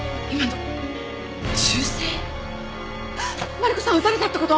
マリコさん撃たれたって事！？